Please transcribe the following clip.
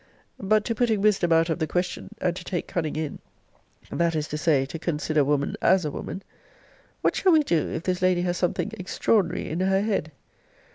But to putting wisdom out of the question, and to take cunning in; that is to say, to consider woman as a woman; what shall we do, if this lady has something extraordinary in her head?